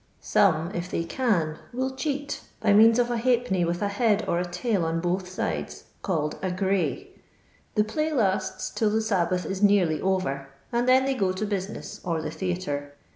Some, if they can, wiU cheat, by means of a halfpenny with a head or a tail on both sides, called a ' gray.' The play lasU till the Sabbath is nearly over, and then they go to business or the theatre.